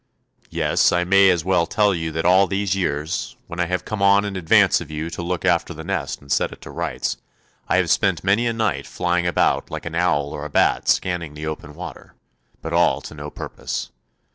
Yes, I may as well tell you that all these years, when I have come on in advance of you to look after the nest and set it to rights, I have spent many a night flying about like an owl or a bat scanning the open water, but all to no purpose.